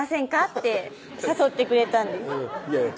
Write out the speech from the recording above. って誘ってくれたんですいやいや